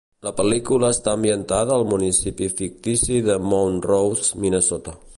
La pel·lícula està ambientada al municipi fictici de Mount Rose, Minnesota.